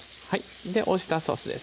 オイスターソースです